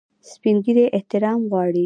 سپین ږیری احترام غواړي